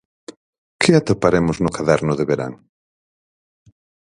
Que atoparemos no Caderno de verán?